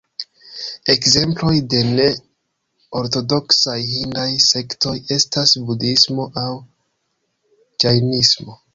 Ekzemploj de ne-ortodoksaj hindaj sektoj estas Budhismo aŭ Ĝajnismo.